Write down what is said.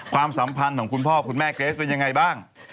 ความสัมพันธ์ของคุณพ่อคุณแม่เกรสเป็นยังไงบ้าง